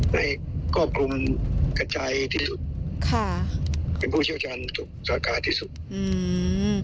ในกรวมกระจายที่ค่ะค่ะเป็นผู้เชี่ยวชาญทุกษาคารที่สุดอืม